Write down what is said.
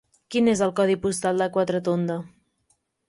Quin és el codi postal de Quatretonda?